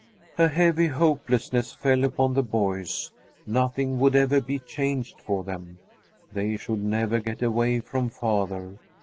A heavy hopelessness fell upon the boys; nothing would ever be changed for them. They should never get away from father.